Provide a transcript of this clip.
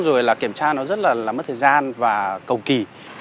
rồi là kiểm tra nó rất là mất thời gian và cầu kỳ